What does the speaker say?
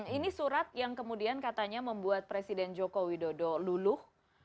ini surat yang kemudian katanya membuat presiden joko widodo luluh